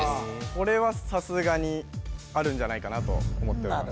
これはさすがにあるんじゃないかなと思っております